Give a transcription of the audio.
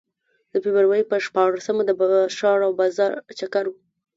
د فبروري په شپاړسمه د ښار او بازار چکر و.